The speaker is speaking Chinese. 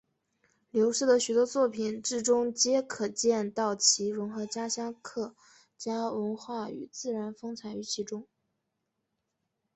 刘氏的许多作品之中皆可见到其融合家乡客家文化与自然风采于其中。